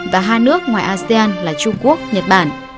và hai nước ngoài asean là trung quốc nhật bản